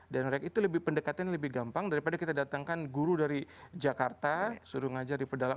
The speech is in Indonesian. dan mereka itu lebih pendekatan lebih gampang daripada kita datangkan guru dari jakarta suruh ngajar di pedalao